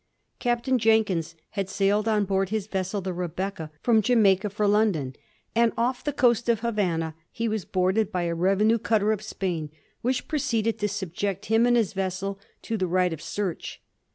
Captain Jenkins had sailed on board his vessel, the Hebecca, from Jamaica for London, and off the coast of Havana he was boarded by a revenue cutter of Spain, which proceeded to subject him and his vessel to the right of search.